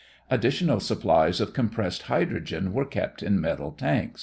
Additional supplies of compressed hydrogen were kept in metal tanks.